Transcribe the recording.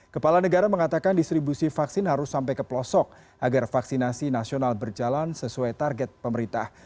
kepala negara mengatakan distribusi vaksin harus sampai ke pelosok agar vaksinasi nasional berjalan sesuai target pemerintah